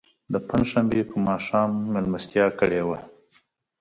د پنج شنبې په ماښام میلمستیا کړې وه.